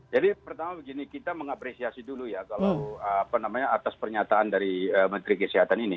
jadi pertama begini kita mengapresiasi dulu ya atas pernyataan dari menteri kesehatan ini